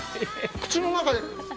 口の中で！